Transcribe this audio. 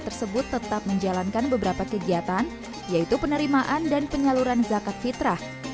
tersebut tetap menjalankan beberapa kegiatan yaitu penerimaan dan penyaluran zakat fitrah